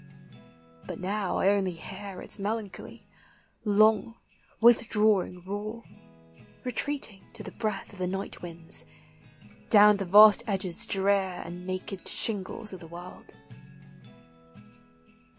But now I only hear Its melancholy, long, withdrawing roar, Retreating, to the breath Of the night winds, down the vast edges drear And naked shingles of the world.